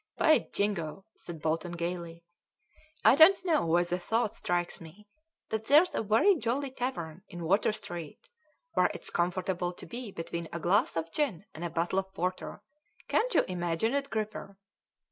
"By Jingo!" said Bolton gaily, "I don't know why the thought strikes me that there's a very jolly tavern in Water street where it's comfortable to be between a glass of gin and a bottle of porter. Can't you imagine it, Gripper?"